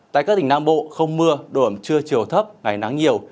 tại các tỉnh nam bộ không mưa đủ ẩm trưa chiều thấp ngày nắng nhiều